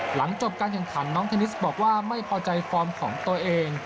หลังจบการแข่งขันน้องเทนนิสบอกว่าไม่พอใจฟอร์มของตัวเอง